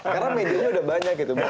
karena media lu udah banyak gitu